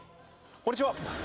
こんにちは。